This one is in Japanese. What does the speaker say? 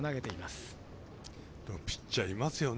よくピッチャーいますよね